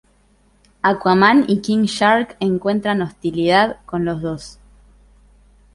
Aquaman y King Shark encuentran hostilidad con los dos.